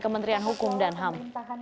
kementerian hukum dan ham